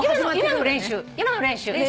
今の練習今の練習。